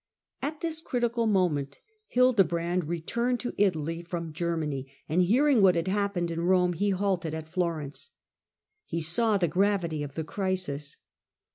At this critical moment Hildebrand returned to Italy from Gtermany, and hearing what had happened Prompt in Rome he halted at Florence. He saw the Hiideteand gravity of the crisis.